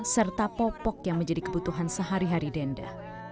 serta popok yang menjadi kebutuhan sehari hari denda